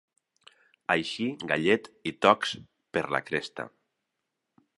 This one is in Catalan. Així, gallet, i tocs per la cresta.